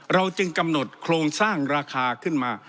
เราจึงกำหนดโครงสร้างราคาขึ้นมา